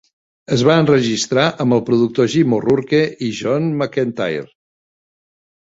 Es va enregistrar amb el productor Jim O'Rourke i John McEntire.